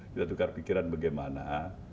kita tukar pikiran bagaimana